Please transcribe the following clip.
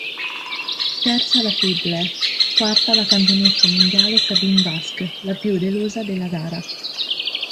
Terza la Fiedler, quarta la campionessa mondiale Sabine Busch, la più delusa della gara.